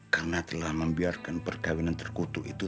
karena telah membiarkan perkahwinan terkutuk itu